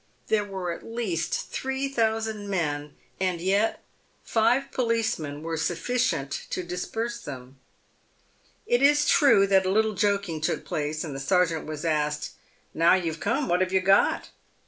There were at least three thousand men, and yet five policemen 188 PAVED WITH GOLD. were sufficient to disperse them. It is true that a little joking took place, and the sergeant was asked, "Now you've come, what have you got?"